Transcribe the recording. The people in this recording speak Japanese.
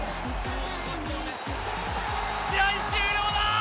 試合終了だ！